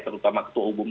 terutama ketua umum